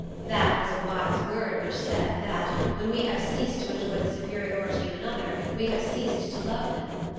That was a wise word which said, that, when we have ceased to enjoy the superiority of another, we have ceased to love him.